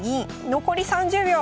残り３０秒。